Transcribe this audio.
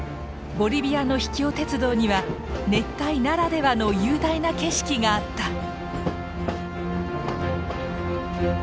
ボリビアの秘境鉄道には熱帯ならではの雄大な景色があった。